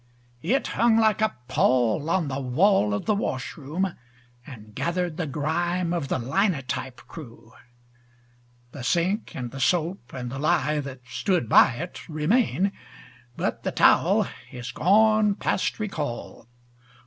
It hung like a pall on the wall of the washroom, And gathered the grime of the linotype crew. The sink and the soap and the lye that stood by it Remain; but the towel is gone past recall.